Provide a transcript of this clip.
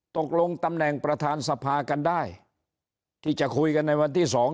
ตกลงตำแหน่งประธานสภากันได้ที่จะคุยกันในวันที่สอง